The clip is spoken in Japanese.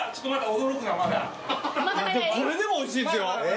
これでもおいしいですよ。